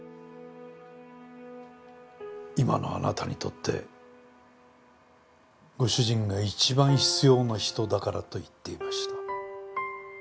今のあなたにとってご主人が一番必要な人だからと言っていました。